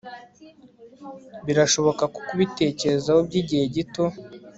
Birashoboka kubitekerezo byigihe gito